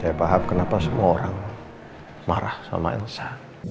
saya paham kenapa semua orang marah sama elsa